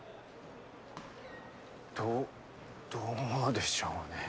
どどうでしょうね？